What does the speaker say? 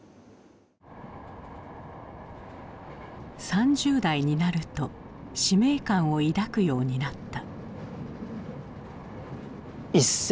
３０代になると使命感を抱くようになった。